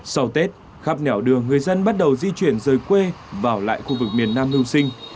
sau tết khắp nẻo đường người dân bắt đầu di chuyển rời quê vào lại khu vực miền nam mưu sinh